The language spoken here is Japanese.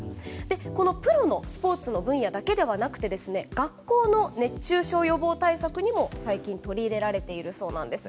このプロのスポーツの分野だけではなくて学校の熱中症予防対策にも最近取り入れられているようです。